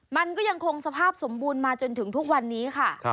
มันก็ยังคงสภาพสมบูรณ์มาจนถึงทุกวันนี้ค่ะ